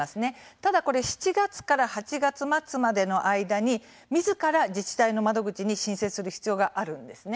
ただ７月から８月末までの間にみずから自治体の窓口に申請する必要があるんです。